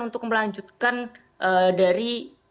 untuk melanjutkan dari